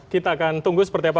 kita akan tunggu seperti apa